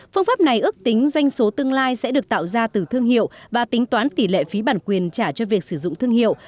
phương pháp này ước tính doanh số tương lai sẽ được tạo ra từ thương hiệu và tính toán tỷ lệ phí bản quyền trả cho việc sử dụng thương hiệu